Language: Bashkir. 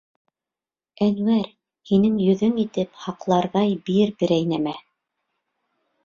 — Әнүәр, һинең йөҙөң итеп һаҡларҙай бир берәй нәмә.